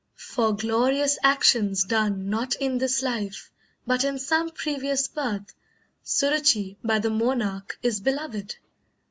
For glorious actions done Not in this life, but in some previous birth, Suruchee by the monarch is beloved.